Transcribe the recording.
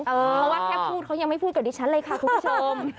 เพราะว่าแค่พูดเขายังไม่พูดกับดิฉันเลยค่ะคุณผู้ชม